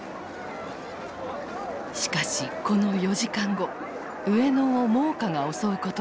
しかしこの４時間後上野を猛火が襲うことになる。